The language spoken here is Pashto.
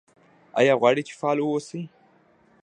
ایا غواړئ چې فعال اوسئ؟